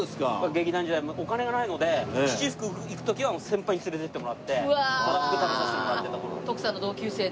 劇団時代お金がないので七福行く時は先輩に連れてってもらってたらふく食べさせてもらってた頃。